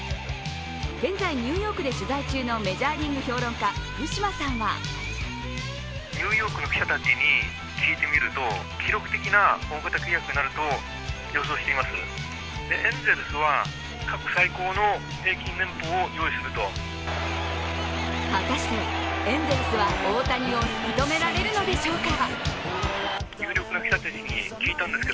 現在、ニューヨークで取材中のメジャーリーグ評論家、福島さんは果たしてエンゼルスは大谷を引き止められるのでしょうか。